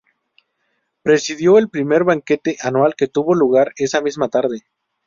Presidió el primer banquete anual que tuvo lugar esa misma tarde.